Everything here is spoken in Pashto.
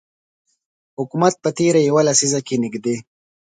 حکومت په تیره یوه لسیزه کې نږدې